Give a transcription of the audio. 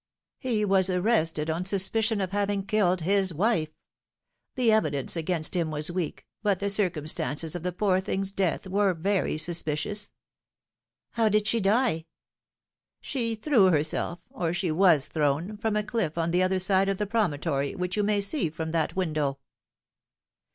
He was arrested on suspicion of having killed his wife. The evidence against him was weak, but the circumstances of the poor thing's death were very suspicious." " How did she die ?"" She threw herself or she was thrown from a cliff on the other side of the promontory which you may see from that window."